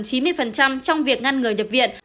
trong việc ngăn người nhập viện